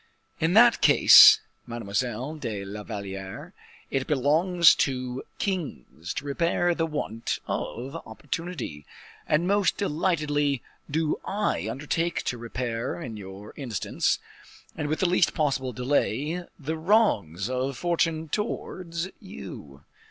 "In that case, Mademoiselle de la Valliere, it belongs to kings to repair the want of opportunity, and most delightedly do I undertake to repair, in your instance, and with the least possible delay, the wrongs of fortune towards you."